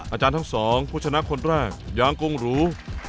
อาจารย์ทั้งสองผู้ชนะคนแรกยางกงหรู